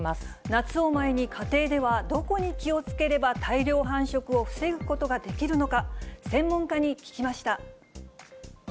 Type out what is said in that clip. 夏を前に家庭ではどこに気をつければ大量繁殖を防ぐことができるのか。